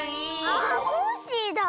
あコッシーだ！